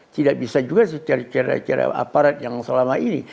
tidak bisa juga secara cara aparat yang selama ini